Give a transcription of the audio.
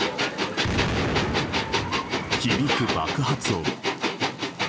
響く爆発音。